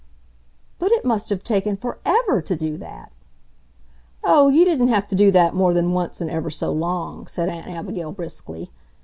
"But it must have taken forEVER to do that!" "Oh, you didn't have to do that more than once in ever so long," said Aunt Abigail, briskly.